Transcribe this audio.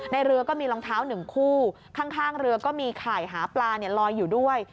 เรือก็มีรองเท้าหนึ่งคู่ข้างเรือก็มีข่ายหาปลาลอยอยู่ด้วย